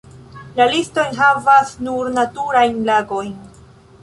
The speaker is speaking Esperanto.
La listo enhavas nur naturajn lagojn.